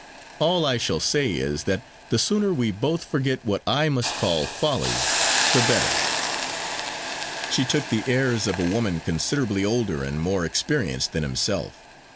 All I shall say is, that the sooner we both forget what I must call folly, the better." She took the airs of a woman considerably older and more experienced than himself.